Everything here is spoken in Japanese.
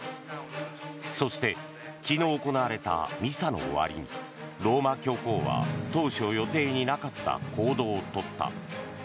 そして、昨日行われたミサの終わりにローマ教皇は当初予定になかった行動を取った。